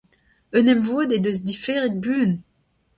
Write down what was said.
Un emvod he deus diferet buan.